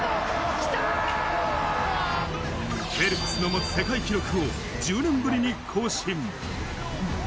フェルプスの持つ世界記録を１０年ぶりに更新。